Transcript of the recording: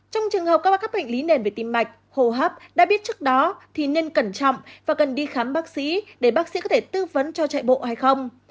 trong trường hợp có các bệnh lý nền về tim mạch hô hấp đã biết trước đó thì nên cẩn trọng và cần đi khám bác sĩ để bác sĩ có thể tư vấn cho chạy bộ hay không